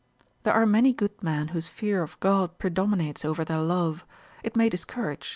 There are many good men whose fear of GOD predominates over their love. It may discourage.